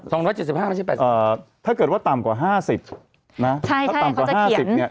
สองร้อยแปดสิบห้าน้อยถ้าเกิดว่าต่ำกว่าห้าสิบใช่เขาจะเขียน